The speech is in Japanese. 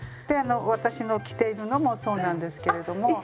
であの私の着ているのもそうなんですけれども。